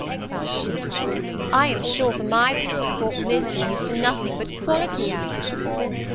cried she: "I am sure for my part I thought Miss was used to nothing but quality hours."